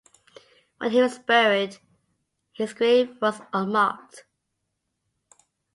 When he was buried, his grave was unmarked.